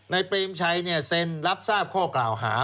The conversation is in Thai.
นายเปรมชัยเนี่ยเซ็นรับทราบข้อกล่าวหา